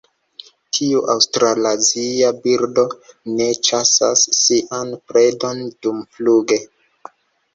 Tiu aŭstralazia birdo ne ĉasas sian predon dumfluge.